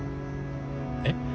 えっ？